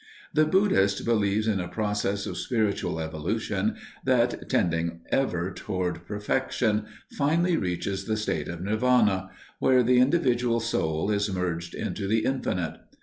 The Buddhist believes in a process of spiritual evolution that, tending ever toward perfection, finally reaches the state of Nirvana, where the individual soul is merged into the Infinite.